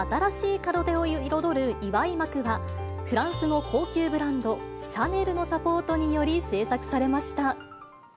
眞秀さんの新しい門出を彩る祝幕は、フランスの高級ブランド、シャネルのサポートにより制作されました。